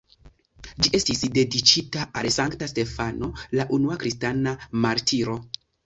Ĝi estis dediĉita al Sankta Stefano, la unua kristana martiro.